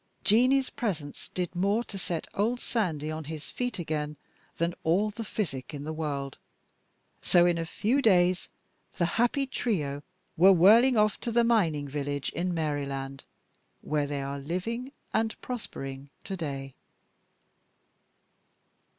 Jeanie's presence did more to set old Sandy on his feet again than all the physic in the world; so in a few days the happy trio were whirling off to the mining village in Maryland, where they are living and prospering to day.